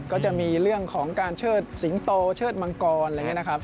ก็จะมีเรื่องของการเชิดสิงโตเชิดมังกรอะไรอย่างนี้นะครับ